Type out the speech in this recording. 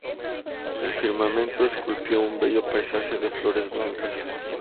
El firmamento esculpió un bello paisaje de flores blancas